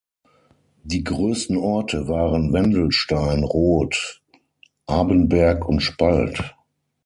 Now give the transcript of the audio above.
Die größten Orte waren Wendelstein, Roth, Abenberg und Spalt.